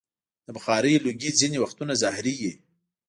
د بخارۍ لوګی ځینې وختونه زهري وي.